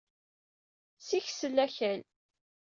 Siksel akal.